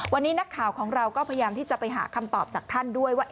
วันนี้นักข่าวของเราก็พยายามที่จะไปหาคำตอบจากท่านด้วยว่า